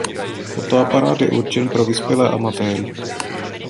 Fotoaparát je určen pro vyspělé amatéry.